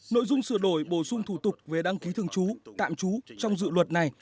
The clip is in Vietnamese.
nội dung sửa đổi bổ sung thủ tục về đăng ký thường trú tạm trú trong dự luật này